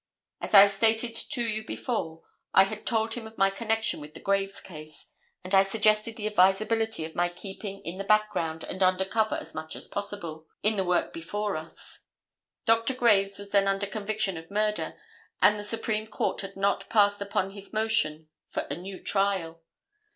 As I stated to you before, I had told him of my connection with the Graves case, and I suggested the advisability of my keeping in the background and under cover as much as possible, in the work before us. Dr. Graves was then under conviction of murder, and the Supreme Court had not passed upon his motion for a new trial.